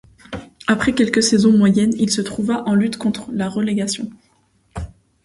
Après quelques saisons moyennes, il se trouva en lutte contre la relégation.